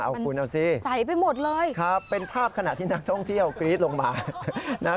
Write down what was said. เอาคุณเอาสิครับเป็นภาพขนาดที่นักท่องเที่ยวกรี๊ดลงมามันใส่ไปหมดเลย